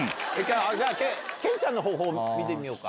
じゃあ、健ちゃんの方法見てみようか。